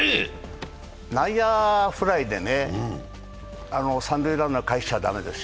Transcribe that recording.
内野フライで三塁ランナーを帰しちゃ駄目ですよ。